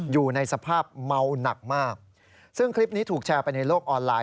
อยู่ในสภาพเมาหนักมากซึ่งคลิปนี้ถูกแชร์ไปในโลกออนไลน